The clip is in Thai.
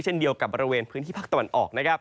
เช่นเดียวกับบริเวณพื้นที่พักตะวันออก